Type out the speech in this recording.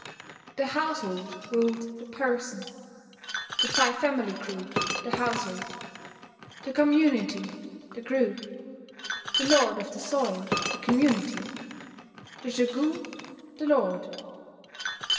The household ruled the person; the five family group; the household; the community, the group; the lord of the soil, the community; the Shogun, the lord.